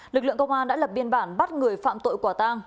lực lượng công an đã lập biên bản bắt người phạm tội quả tang